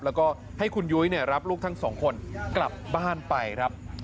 แล้วก็ให้คุณยุ้ยรับลูกทั้งสองคนกลับบ้านไปครับ